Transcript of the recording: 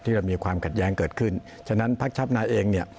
เรามีความขัดแย้งเกิดขึ้นฉะนั้นพักชาวนาเองเนี่ย